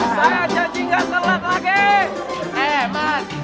saya janji gak telat lagi hemat